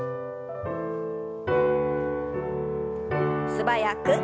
素早く。